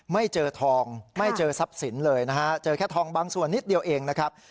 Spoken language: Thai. ไม่เจอทองไม่เจอทรัพย์สินเลยนะฮะเจอแค่ทองบางส่วนนิดเดียวเองนะครับ